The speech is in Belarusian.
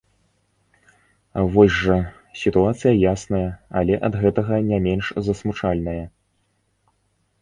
Вось жа, сітуацыя ясная, але ад гэтага не менш засмучальная.